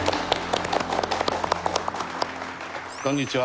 こんにちは。